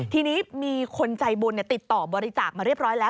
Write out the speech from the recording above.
ทีนี้มีคนใจบุญติดต่อบริจาคมาเรียบร้อยแล้ว